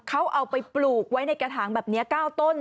เขาเอาไปปลูกไว้ในกระถางแบบนี้๙ต้น